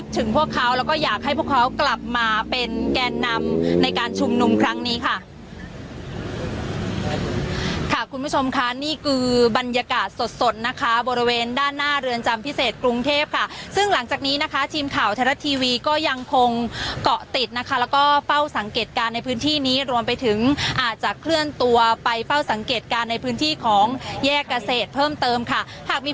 ทุ่มหนุ่มครั้งนี้ค่ะค่ะคุณผู้ชมค่ะนี่คือบรรยากาศสดสดนะคะบริเวณด้านหน้าเรือนจำพิเศษกรุงเทพค่ะซึ่งหลังจากนี้นะคะทีมข่าวไทยรัฐทีวีก็ยังคงเกาะติดนะคะแล้วก็เป้าสังเกตการณ์ในพื้นที่นี้รวมไปถึงอาจจะเคลื่อนตัวไปเป้าสังเกตการณ์ในพื้นที่ของแยกเกษตรเพิ่มเติมค่ะหากมี